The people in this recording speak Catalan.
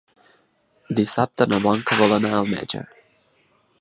Dissabte na Blanca vol anar al metge.